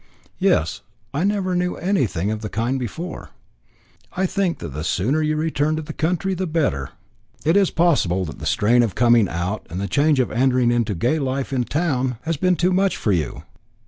"Yes, I never knew anything of the kind before." "I think that the sooner you return to the country the better. It is possible that the strain of coming out and the change of entering into gay life in town has been too much for you.